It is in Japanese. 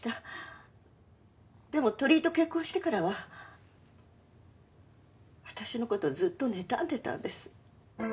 でも鳥居と結婚してからは私の事ずっとねたんでたんです。